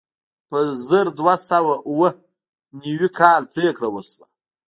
په زر دوه سوه اوه نوي کال پرېکړه وشوه.